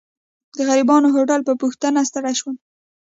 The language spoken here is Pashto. د غریبانه هوټل په پوښتنه ستړی شوم.